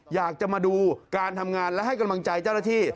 อยากจะมาดูการทำงานและให้กำลังใจเจ้าหน้าที่